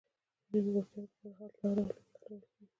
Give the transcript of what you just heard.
د نیمګړتیاوو لپاره حل لاره ولټول شي.